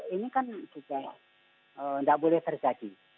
ini kan juga tidak boleh terjadi